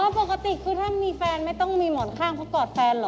ปกติคือถ้ามีแฟนไม่ต้องมีหมอนข้างเพราะกอดแฟนเหรอ